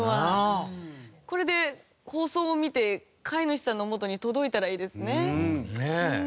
これで放送を見て飼い主さんのもとに届いたらいいですね。